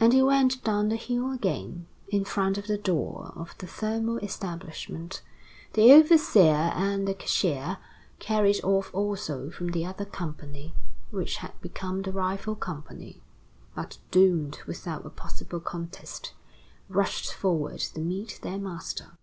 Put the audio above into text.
And he went down the hill again. In front of the door of the thermal establishment, the overseer and the cashier, carried off also from the other Company, which had become the rival Company, but doomed without a possible contest, rushed forward to meet their master.